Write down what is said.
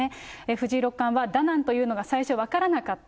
藤井六冠は、ダナンというのが最初分からなかった。